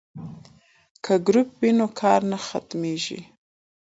که ګروپ وي نو کار نه سختیږي.